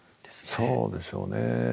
そうでしょうね。